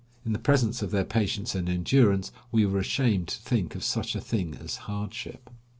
In the presence of their patience and endurance, we were ashamed to think of such a thing as hardship.